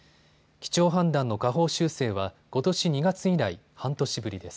基調判断の下方修正はことし２月以来、半年ぶりです。